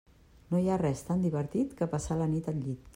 No hi ha res tan divertit que passar la nit al llit.